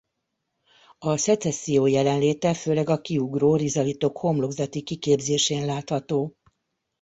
A szecesszió jelenléte főleg a kiugró rizalitok homlokzati kiképzésén látható.